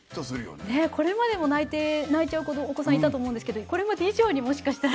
ねっこれまでも泣いちゃうお子さんいたと思うんですけどこれまで以上にもしかしたら。